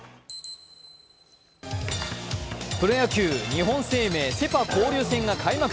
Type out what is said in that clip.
プロ野球、日本生命セ・パ交流戦が開幕。